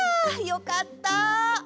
よかった。